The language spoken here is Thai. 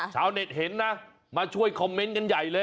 ชาวเน็ตเห็นนะมาช่วยคอมเมนต์กันใหญ่เลย